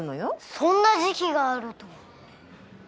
そんな時期があるとは。